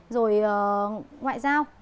rồi ngoại giao